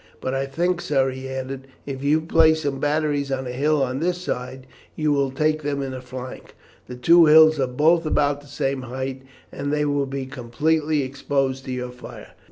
But I think, sir," he added, "if you place some batteries on the hill on this side, you will take them in flank. The two hills are both about the same height, and they will be completely exposed to your fire."